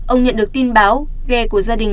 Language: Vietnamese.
ông nhận được tin báo ghe của gia đình